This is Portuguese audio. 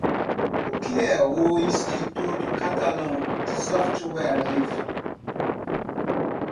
O que é o Instituto Catalão de Software Livre?